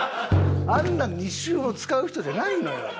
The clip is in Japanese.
あんなん２週も使う人じゃないのよ。